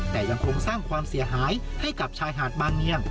แต่ยังคงสร้างความเสียหายให้กับชายหาดบางเนียง